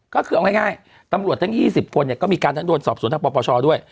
ก็คือเอาง่ายตำรวจทั้ง๒๐คนเนี่ยก็มีการทั้งโดนสอบสวนทางปปชด้วย